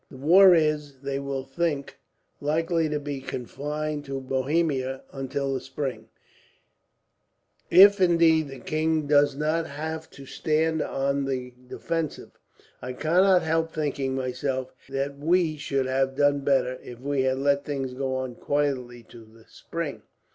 The war is, they will think, likely to be confined to Bohemia until the spring; if indeed the king does not have to stand on the defensive. I cannot help thinking, myself, that we should have done better if we had let things go on quietly till the spring.